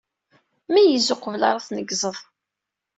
Meyyez uqbel ara tnegzeḍ.